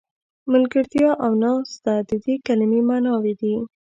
ملګرتیا او ناسته د دې کلمې معناوې دي.